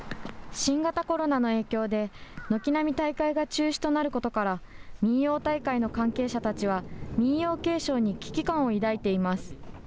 新型コロナの影響で、軒並み大会が中止となることから、民謡大会の関係者たちは、民謡継承に危機感を抱いています。